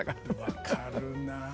分かるなあ。